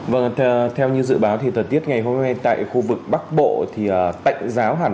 vâng theo như dự báo thì thời tiết ngày hôm nay tại khu vực bắc bộ thì tạnh giáo hẳn